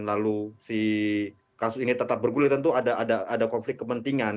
lalu si kasus ini tetap bergulir tentu ada konflik kepentingan